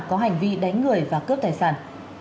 có hành vi đánh người và cướp tài sản